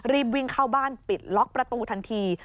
รีบวิ่งเข้าบ้านปิดล็อกประตูทันที